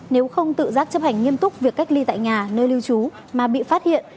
nếu không tự giác chấp hành nghiêm túc việc cách ly tại nhà nơi lưu trú mà bị phát hiện